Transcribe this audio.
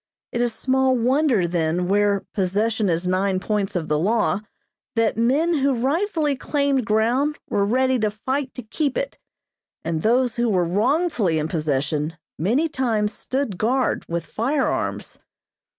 It is small wonder, then, where "possession is nine points of the law" that men who rightfully claimed ground were ready to fight to keep it, and those who were wrongfully in possession many times stood guard with firearms.